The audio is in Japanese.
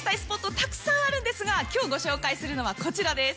たくさんあるんですが今日ご紹介するのはこちらです